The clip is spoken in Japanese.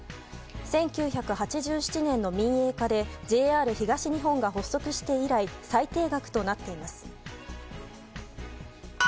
１９８７年の民営化でＪＲ東日本が発足して以来最低額となっています。